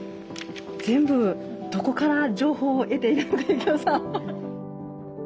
全部どこから情報を得ているのか幸士さん。